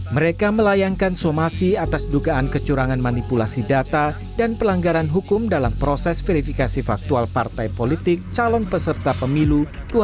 mereka melayangkan somasi atas dugaan kecurangan manipulasi data dan pelanggaran hukum dalam proses verifikasi faktual partai politik calon peserta pemilu dua ribu dua puluh